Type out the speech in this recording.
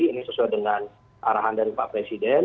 ini sesuai dengan arahan dari pak presiden